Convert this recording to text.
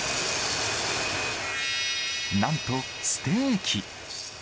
なんとステーキ。